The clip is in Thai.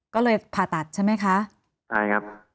ก็เลยผ่าตัดใช่ไหมคะใช่ครับ